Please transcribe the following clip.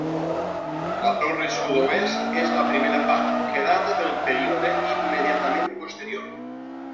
La torre sud-oest és la primera part, que data del període immediatament posterior.